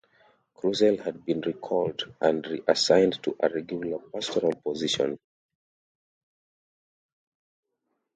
Kruzel had been recalled and reassigned to a regular pastoral position.